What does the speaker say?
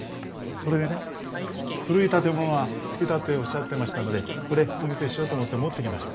それでね古い建物が好きだっておっしゃってましたのでこれお見せしようと思って持ってきました。